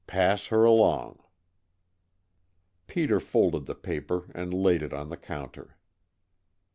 Pass her along!" Peter folded the paper and laid it on the counter.